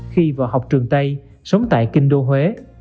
khi vào học trường tây sống tại kinh đô huế